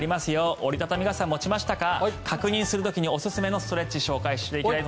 折り畳み傘持ちましたか。